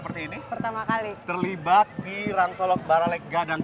masih semangat ya